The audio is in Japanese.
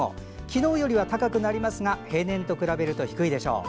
昨日より高くなりますが平年と比べると低いでしょう。